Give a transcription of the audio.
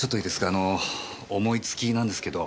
あの思いつきなんですけど。